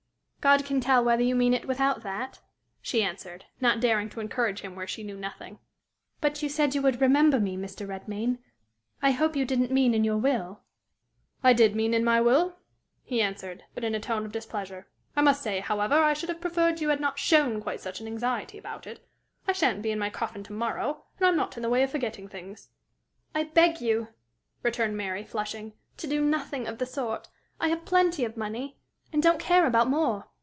"God can tell whether you mean it without that," she answered, not daring to encourage him where she knew nothing. "But you said you would remember me, Mr. Redmain: I hope you didn't mean in your will." "I did mean in my will," he answered, but in a tone of displeasure. "I must say, however, I should have preferred you had not shown quite such an anxiety about it. I sha'n't be in my coffin to morrow; and I'm not in the way of forgetting things." "I beg you," returned Mary, flushing, "to do nothing of the sort. I have plenty of money, and don't care about more.